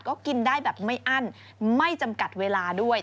ก็กินได้แบบไม่อั้นไม่จำกัดเวลาด้วย